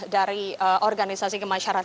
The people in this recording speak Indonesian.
dari organisasi kemasyarakat